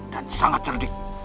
dan sangat cerdik